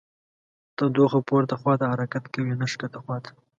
تودوخه پورته خواته حرکت کوي نه ښکته خواته.